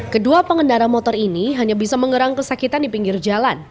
kedua pengendara motor ini hanya bisa mengerang kesakitan di pinggir jalan